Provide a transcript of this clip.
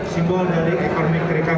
simbol dari ekonomi kerekaan